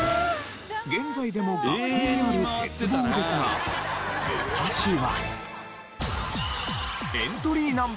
現在でも学校にある鉄棒ですが昔は。